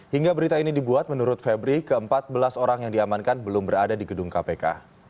hingga berita ini dibuat menurut febri ke empat belas orang yang diamankan belum berada di gedung kpk